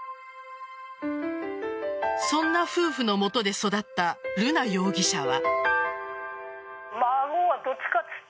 そんな夫婦のもとで育った瑠奈容疑者は。